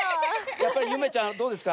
やっぱりゆめちゃんどうですか？